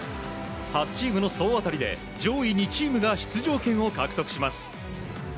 ８チームの総当たりで上位２チームが出場権を獲得します。